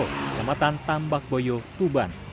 kecamatan tambak boyo tuban